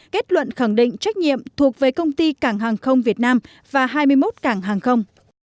kết luận khẳng định trách nhiệm thuộc về công ty cảng hàng không việt nam và hai mươi một cảng hàng không